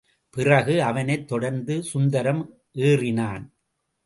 பிறகு, அவனைத் தொடர்ந்து சுந்தரம் ஏறினான்.